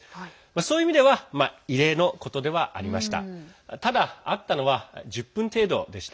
そういう意味では異例のことではありました。